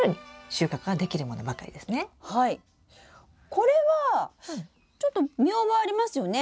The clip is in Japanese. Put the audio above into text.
これはちょっと見覚えありますよね。